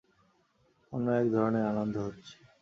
অন্য এক ধরনের আনন্দ হচ্ছে।